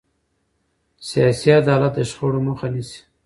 سیاسي عدالت د شخړو مخه نیسي